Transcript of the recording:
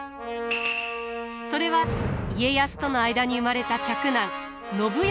それは家康との間に生まれた嫡男信康を後見すること。